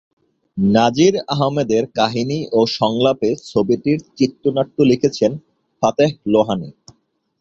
নাজির আহমদের কাহিনী ও সংলাপে ছবিটির চিত্রনাট্য লিখেছেন ফতেহ লোহানী।